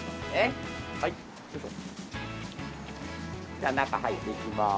じゃあ中入っていきます